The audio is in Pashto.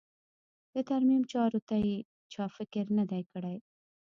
د ترمیم چارو ته یې چا فکر نه دی کړی.